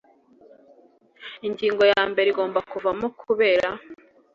Ingingo yambere igomba kuvamo kubera